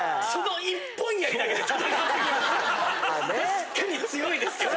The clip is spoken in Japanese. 確かに強いですけど。